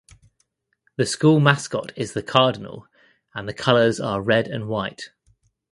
The school mascot is the Cardinal and the colors are red and white.